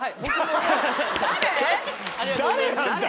誰なんだよ！